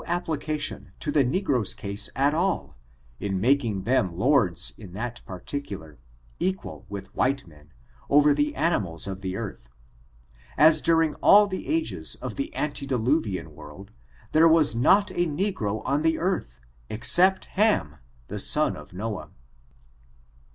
application to the negro's case at all, in making them lords in that particular, equal with white men^ over the animals of the earth, as during all the ages of the antediluvian world, there was not a n^^ro oo die earth, except Ham, the son of Noah.